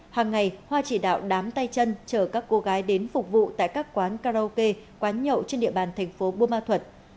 hàng ngày hoa chỉ đạo đám tay chân chở các cô gái đến phục vụ tại các quán karaoke quán nhậu trên địa bàn thành phố buôn ma thuật